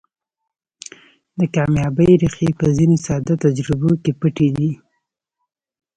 د کاميابۍ ريښې په ځينو ساده تجربو کې پټې دي.